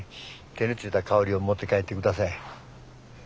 手に付いた香りを持って帰って下さい。